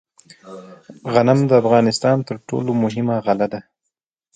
غنم د افغانستان تر ټولو مهمه غله ده.